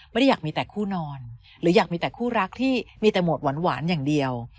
ไม่ได้อยากมีแต่คู่นอนหรืออยากมีแต่คู่รักที่มีแต่โหมดหวานอย่างเดียว